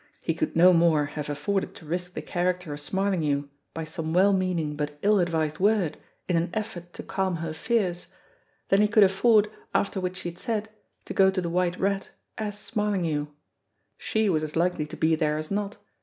He could no more have afforded to risk the character of Smarlinghue by some well meaning but ill advised word in an effort to calm her fears, 270 AT "THE WHITE RAT" 271 than he could afford, after what she had said, to go to The White Rat as Smarlinghue. She was as likely to be there as not.